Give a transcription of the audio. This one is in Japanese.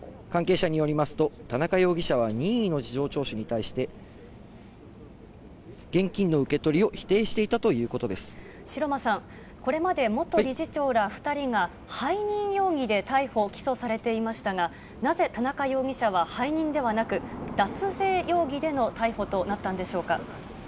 関係者によりますと、田中容疑者は任意の事情聴取に対して、現金の受け取りを否定して城間さん、これまで元理事長ら２人が、背任容疑で逮捕・起訴されていましたが、なぜ田中容疑者は背任ではなく、脱税容疑での逮捕となったんでしょうか。